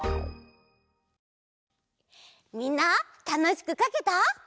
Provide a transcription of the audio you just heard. みんなたのしくかけた？